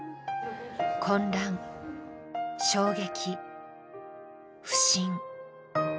混乱、衝撃、不信。